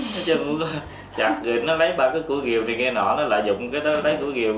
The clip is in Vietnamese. nói chung chặt rồi nó lấy bằng cái củi ghiều thì nghe nọ nó lợi dụng cái đó lấy củi ghiều